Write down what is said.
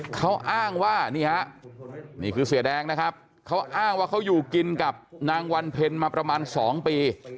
เขาอ้างว่านี่ฮะนี่คือเสียแดงนะครับเขาอ้างว่าเขาอยู่กินกับนางวันเพ็ญมาประมาณ๒ปี